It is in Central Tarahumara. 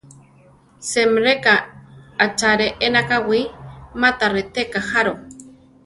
Semreká achare ena kawí ma ta reteka jaro.